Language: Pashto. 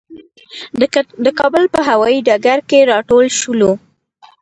د کابل په هوايي ډګر کې راټول شولو.